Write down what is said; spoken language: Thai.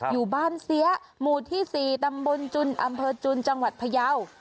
อยู่บ้านเสียหมู่ที่๔ตำบลจุนอำเภอจุนจังหวัดพยาว